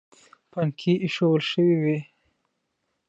پنکې ایښوول شوې وې.